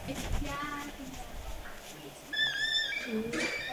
Rovněž se umístil na prvním místě v celkové bodování World Tour.